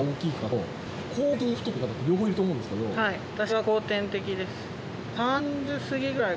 はい。